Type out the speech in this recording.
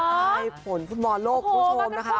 ให้ผลผู้มองโลกคุณผู้ชมนะคะ